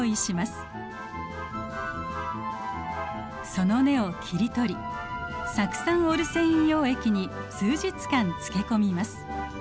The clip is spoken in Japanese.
その根を切り取り酢酸オルセイン溶液に数日間漬け込みます。